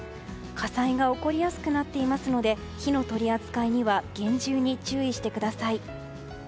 火災が起こりやすくなっていますので火の取り扱いには厳重に注意してください。